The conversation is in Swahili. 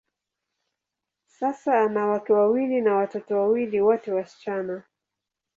Sasa, ana wake wawili na watoto wawili, wote wasichana.